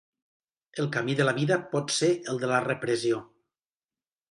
El camí de la vida pot ser el de la repressió.